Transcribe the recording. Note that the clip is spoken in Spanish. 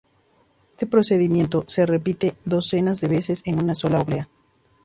Este procedimiento se repite docenas de veces en una sola oblea.